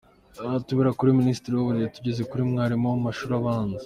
Aha turahera kuri Minisitiri w’Uburezi tugeze kuri mwarimu wo mu mashuri abanza.